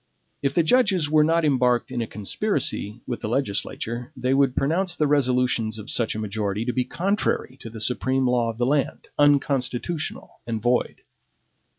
If the judges were not embarked in a conspiracy with the legislature, they would pronounce the resolutions of such a majority to be contrary to the supreme law of the land, unconstitutional, and void.